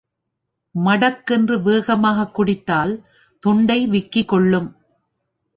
மடக்கென்று வேகமாகக் குடித்தால் தொண்டை விக்கிக் கொள்ளும்.